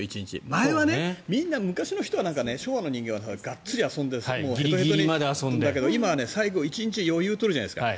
前はみんな昔の人は昭和の人間はがっつり遊んでいたんだけど今は最後、１日余裕を取るじゃないですか。